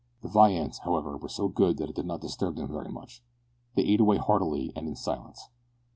The viands, however, were so good that it did not disturb them very much. They ate away heartily, and in silence.